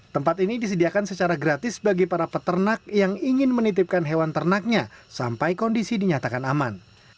tempat ini disediakan secara gratis bagi para peternak yang ingin menitipkan hewan ternaknya sampai kondisi dinyatakan aman